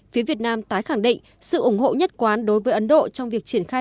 phía việt nam tái khẳng định sự ủng hộ nhất quán đối với ấn độ trong việc triển khai